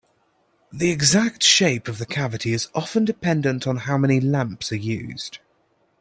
The exact shape of the cavity is often dependent on how many lamps are used.